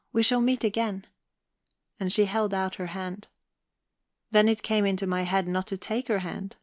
We shall meet again." And she held out her hand. Then it came into my head not to take her hand.